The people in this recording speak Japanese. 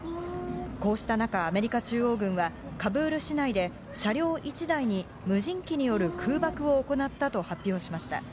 こうした中、アメリカ中央軍はカブール市内で、車両１台に無人機による空爆を行ったと発表しました。